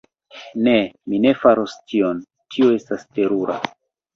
Ne. Mi ne faros tion. Tio estas terura.